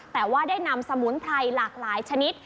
แต่ว่าได้นำสมุนไพรหลากหลายชนิด